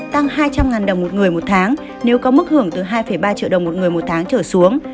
tăng hai trăm linh đồng một người một tháng nếu có mức hưởng từ hai ba triệu đồng một người một tháng trở xuống